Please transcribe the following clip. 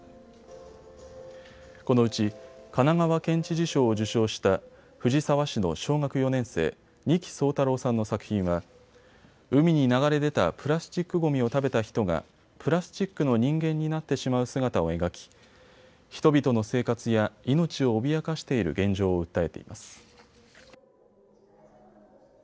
このうち神奈川県知事賞を受賞した藤沢市の小学４年生、仁木聡太郎さんの作品は海に流れ出たプラスチックごみを食べた人がプラスチックの人間になってしまう姿を描き人々の生活や命を脅かしている現状を訴えています。